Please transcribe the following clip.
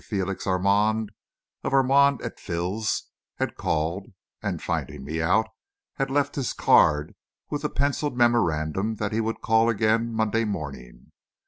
Félix Armand, of Armand et Fils, had called, and, finding me out, had left his card with the pencilled memorandum that he would call again Monday morning.